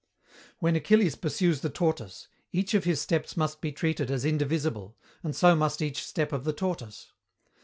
When Achilles pursues the tortoise, each of his steps must be treated as indivisible, and so must each step of the tortoise.